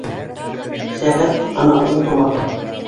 Сәғәт, ана, ун тула.